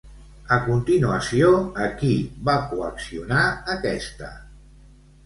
A continuació, a qui va coaccionar aquesta?